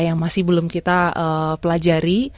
yang masih belum kita pelajari